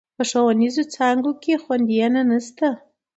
په ښوونيزو څانګو کې خونديينه نشته.